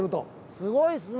すごいっすね